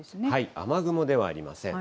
雨雲ではありません。